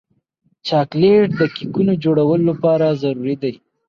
چاکلېټ د کیکونو جوړولو لپاره ضروري دی.